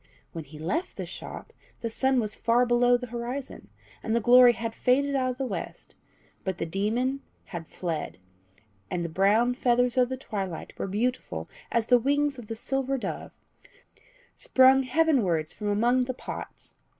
When he left the shop, the sun was far below the horizon, and the glory had faded out of the west; but the demon had fled, and the brown feathers of the twilight were beautiful as the wings of the silver dove, sprung heavenwards from among the pots.